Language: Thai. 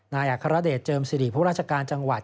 อัครเดชเจิมสิริผู้ราชการจังหวัด